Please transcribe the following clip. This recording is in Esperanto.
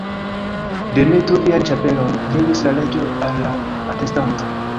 "Demetu vian ĉapelon," diris la Reĝo al la atestanto.